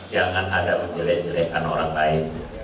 jangan ada menjelekan jelekan orang